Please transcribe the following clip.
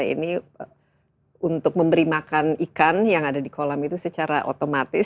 ini untuk memberi makan ikan yang ada di kolam itu secara otomatis